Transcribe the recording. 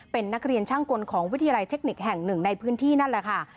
เป็นนักเรียนช่างกลของวิทยาลัยเทคนิคแห่งหนึ่งในพื้นที่นั่นแหละค่ะ